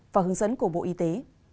và hướng dẫn của bộ y tế